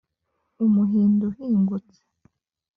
Umuhindo uhingutse